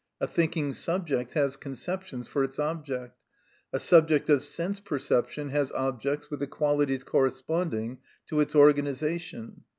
A thinking subject has conceptions for its object; a subject of sense perception has objects with the qualities corresponding to its organisation.